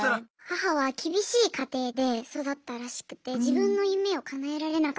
母は厳しい家庭で育ったらしくて自分の夢をかなえられなかった。